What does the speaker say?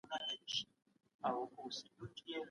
هغه څوک چي قدرت ورباندي پلی کېږي امرمنونکی دی.